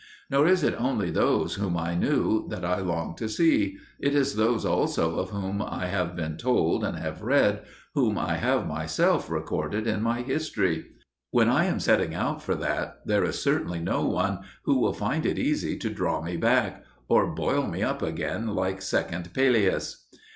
Nor is it only those whom I knew that I long to see; it is those also of whom I have been told and have read, whom I have myself recorded in my history. When I am setting out for that, there is certainly no one who will find it easy to draw me back, or boil me up again like second Pelios.